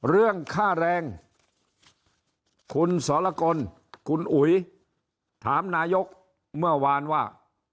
เรื่องค่าแรงคุณสรกลคุณอุ๋ยถามนายกเมื่อวานว่า